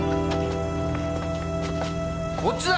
こっちだ！